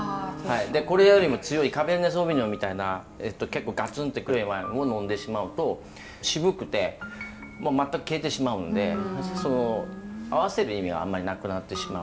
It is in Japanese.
でこれよりも強いカベルネ・ソーヴィニヨンみたいな結構ガツンって来るワインを呑んでしまうと渋くて全く消えてしまうんで合わせる意味があんまりなくなってしまう。